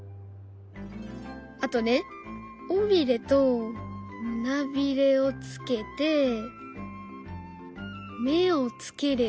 あとね尾びれと胸びれをつけて目をつければ。